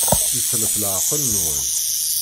Yetlef leɛqel-nwen.